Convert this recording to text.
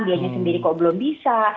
dianya sendiri kok belum bisa